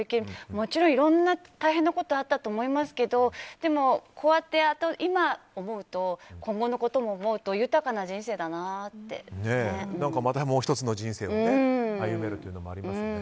もちろん、いろんな大変なことあったと思いますけどでも、こうやって今思うと今後のことも思うとまた、もう１つの人生を歩めるというのもありますね。